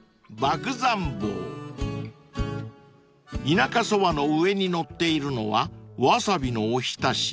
［田舎そばの上に載っているのはワサビのおひたし